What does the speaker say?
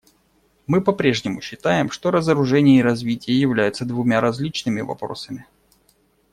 Мы по-прежнему считаем, что разоружение и развитие являются двумя различными вопросами.